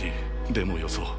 でもよそう。